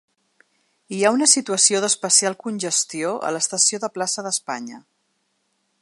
Hi ha una situació d’especial congestió a l’estació de plaça d’Espanya.